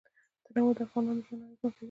تنوع د افغانانو ژوند اغېزمن کوي.